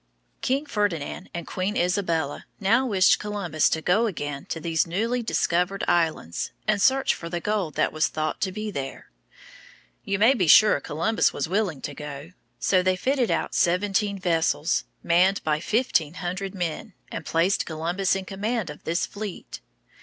] King Ferdinand and Queen Isabella now wished Columbus to go again to these newly discovered islands and search for the gold that was thought to be there. You may be sure Columbus was willing to go. So they fitted out seventeen vessels, manned by fifteen hundred men, and placed Columbus in command of this fleet.